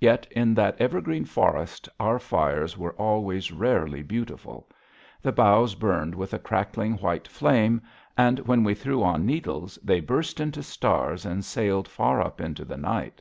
Yet, in that evergreen forest, our fires were always rarely beautiful. The boughs burned with a crackling white flame, and when we threw on needles, they burst into stars and sailed far up into the night.